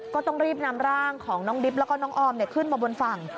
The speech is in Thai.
ก็ต้องรีบนำร่างของน้องดิบแล้วก็น้องออมขึ้นมาบนฝั่ง